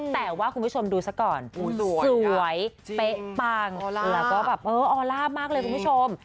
แต่ว่าคุณผู้ชมดูซะก่อนสวยเป๊ะปังแล้วก็แบบเออออลล่ามากเลยคุณผู้ชม